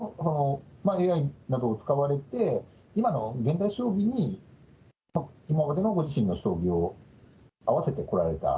恐らく羽生九段もＡＩなどを使われて、今の現代将棋に、今までのご自身の将棋を合わせてこられた。